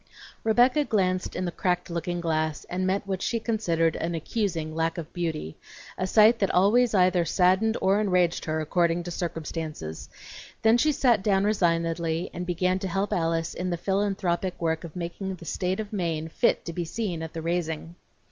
Rebecca glanced in the cracked looking glass and met what she considered an accusing lack of beauty, a sight that always either saddened or enraged her according to circumstances; then she sat down resignedly and began to help Alice in the philanthropic work of making the State of Maine fit to be seen at the raising.